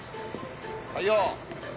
はいよ。